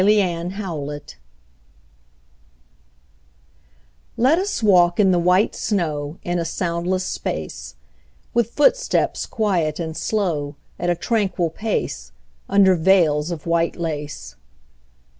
VELVET SHOES Let us walk in the white snow In a soundless space; With footsteps quiet and slow, At a tranquil pace, Under veils of white lace.